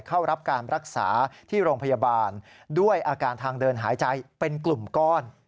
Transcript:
เข้ารับการรักษาที่โรงพยาบาลด้วยอาการทางเดินหายใจเป็นกลุ่มก้อน